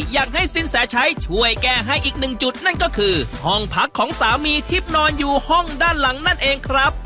อยากให้สินแสชัยช่วยแก้ให้อีกหนึ่งจุดนั่นก็คือห้องพักของสามีที่นอนอยู่ห้องด้านหลังนั่นเองครับ